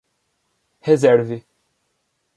Reserve.